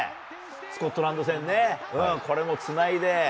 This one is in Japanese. スコットランド戦ね、これもつないで。